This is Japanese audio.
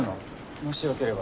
もしよければさ。